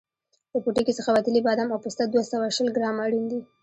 له پوټکي څخه وتلي بادام او پسته دوه سوه شل ګرامه اړین دي.